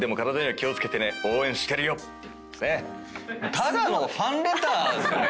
ただのファンレターですね。